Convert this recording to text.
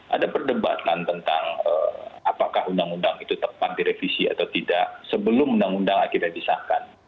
ada perdebatan tentang apakah undang undang itu tepat direvisi atau tidak sebelum undang undang akhirnya disahkan